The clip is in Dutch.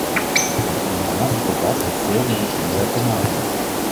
Het onderhavige debat heeft veel met dit onderwerp te maken.